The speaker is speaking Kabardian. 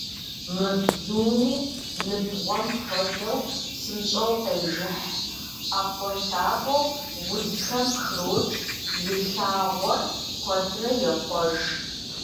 Мы бзуми, ныбгъуэм хуэдэу, псынщӀэу къежыхь, ӀэкӀуэлъакӀуэу удзхэм пхрокӀ, и лъагъуэр куэдрэ ехъуэж.